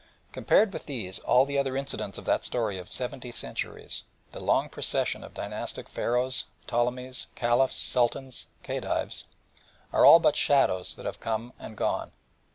Compared with these all the other incidents of that story of seventy centuries the long procession of dynasties of Pharaohs, Ptolemies, Caliphs, Sultans, Khedives are all but shadows that have come and gone.